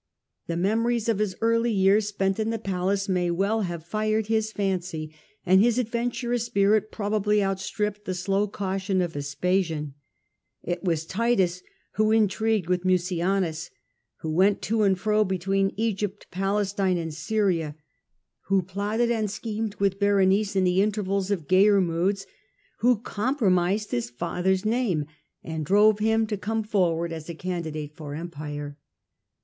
The memories of his early years spent in the palace may well have fired his fancy, and his adventurous spirit pro bably outstripped the slow caution of Ves Hisambi pasian. It was Titus who intrigued with andint?i^ei Mucianus, who went to and fro between in Judaea. Egypt, Palestine, and Syria, who plotted and schemed with Berenice in the intervals of gayer moods, who com promised his father's name and drove him to come for ward as a candidate for empire.